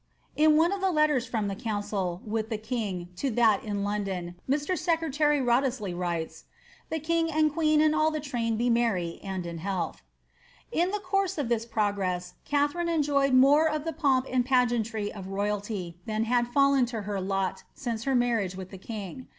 In one of the letters from the council wiili the king to that in London, Mr. secretary Wriothrsley writes, ^* The king and queen and all the train be merry and in health." In the course of this progress Katharine en joyed more of the pomp and pageantry of royalty than had fallen to her lot since her marriage with the king.